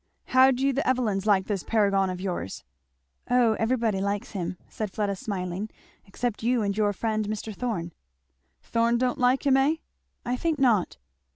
"How do the Evelyns like this paragon of yours?" "O everybody likes him," said Fleda smiling, "except you and your friend Mr. Thorn." "Thorn don't like him, eh?" "I think not."